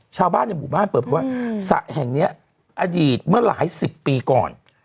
ชาวบ้านในหมู่บ้านเปิดเพราะว่าสระแห่งนี้อดีตเมื่อหลายสิบปีก่อน